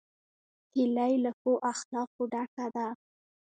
هیلۍ له ښو اخلاقو ډکه ده